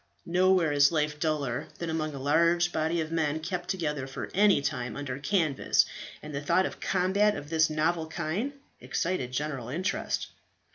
Nowhere is life duller than among a large body of men kept together for any time under canvas, and the thought of a combat of this novel kind excited general interest.